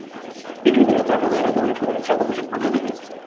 বিদ্রোহীদের হাতে আটক হওয়া এড়াতে অনেক সেনাসদস্যকেই সাদা পোশাক পরতে দেখা গেছে।